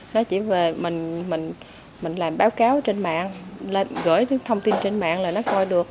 nó chỉ về mình làm báo cáo trên mạng gửi thông tin trên mạng